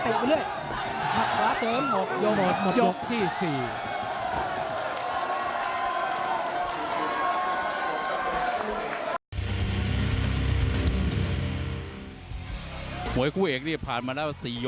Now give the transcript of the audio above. หรือว่าผู้สุดท้ายมีสิงคลอยวิทยาหมูสะพานใหม่